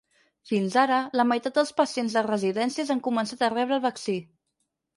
Fins ara, la meitat dels pacients de residències han començat a rebre el vaccí.